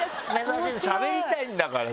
しゃべりたいんだからさ